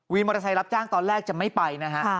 มอเตอร์ไซค์รับจ้างตอนแรกจะไม่ไปนะฮะ